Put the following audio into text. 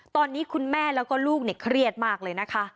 ตอนนี้คุณแม่แล้วก็ลูกเครียดมากเลยนะคะ